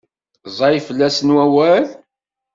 Ẓẓay fell-asen wawal?